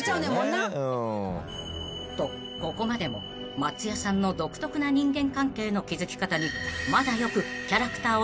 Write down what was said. ［とここまでも松也さんの独特な人間関係の築き方にまだよく］